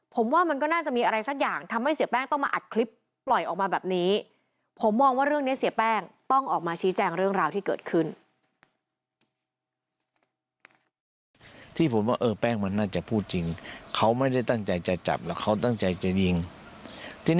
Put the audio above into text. ผมว่ามันก็น่าจะมีอะไรสักอย่างทำให้เสียแป้งต้องมาอัดคลิปปล่อยออกมาแบบนี้